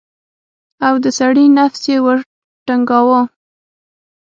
او د سړي نفس يې ورټنگاوه.